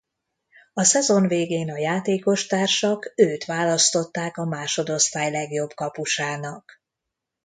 A szezon végén a játékostársak őt választották a másodosztály legjobb kapusának.